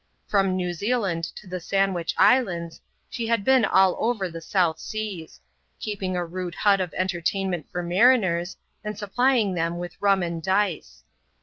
From New Zealand to the Sandwich Hslanda^ she had been all over the South Seas ; keeping a rude hut of entertainment for mariners, and supplying them with mm and dice.